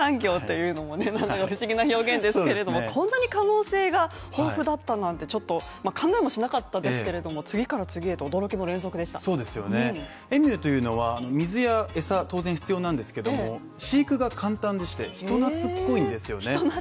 こんなに可能性が豊富だったなんてちょっと考えもしなかったですけれども次から次へと驚きの連続でしたエミューというのは水や餌当然必要なんですけども、飼育が簡単でして、人懐っこいですよね